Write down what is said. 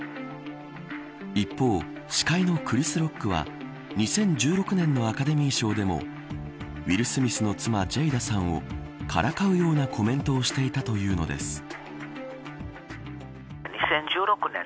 一方、司会のクリス・ロックは２０１６年のアカデミー賞でもウィル・スミスの妻ジェイダさんをからかうようなコメントをしていたというのです。